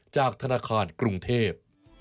จากธนาคารกรุงเทพ